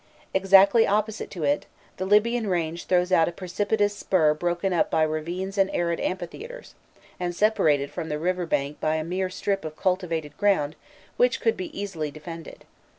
Exactly opposite to it, the Libyan range throws out a precipitous spur broken up by ravines and arid amphitheatres, and separated from the river bank by a mere strip of cultivated ground which could be easily defended.